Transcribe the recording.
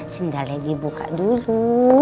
sindalnya dibuka dulu